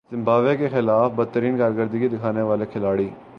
Zimbabwe کے خلاف بدترین کارکردگی دکھانے والے کھلاڑی